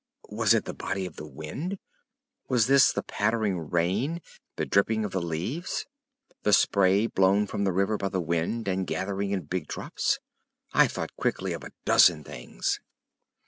Was it the body of the wind? Was this the pattering rain, the dripping of the leaves? The spray blown from the river by the wind and gathering in big drops? I thought quickly of a dozen things.